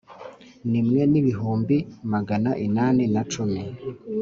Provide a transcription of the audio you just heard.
nimwe n ibihumbi magana inani na cumi